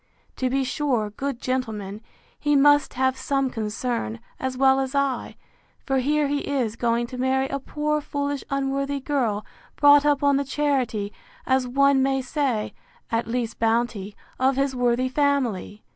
To be sure, good gentleman! he must have some concern, as well as I; for here he is going to marry a poor foolish unworthy girl, brought up on the charity, as one may say, (at least bounty,) of his worthy family!